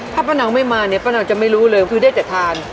ถ้าป้านางไม่มาเนี่ยป้านางจะไม่รู้เลยคือได้แต่ทาน